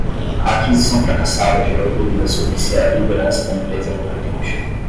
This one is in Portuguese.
A aquisição fracassada gerou dúvidas sobre se a liderança da empresa é competente.